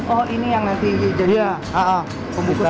oh ini yang nanti jadi pembukus luar